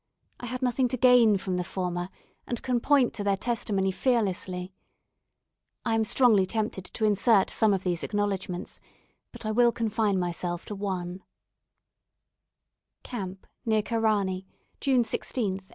I had nothing to gain from the former, and can point to their testimony fearlessly. I am strongly tempted to insert some of these acknowledgments, but I will confine myself to one: "Camp, near Karani, June 16, 1856.